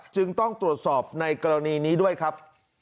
จึงต้องตรวจสอบในกรณีนี้ด้วยครับ